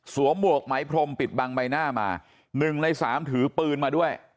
หมวกไหมพรมปิดบังใบหน้ามา๑ใน๓ถือปืนมาด้วย